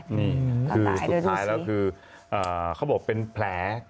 นี่คือสุดท้ายแล้วคือเขาบอกเป็นแผล